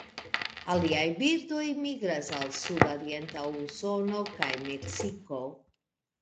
Aliaj birdoj migras al sudorienta Usono kaj Meksiko.